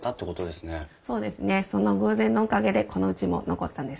そうですねその偶然のおかげでこのうちも残ったんです。